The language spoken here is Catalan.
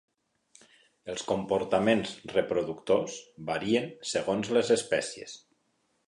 Els comportaments reproductors varien segons les espècies.